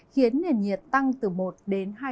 khiến nền nhiệt tăng từ một hai độ mỗi ngày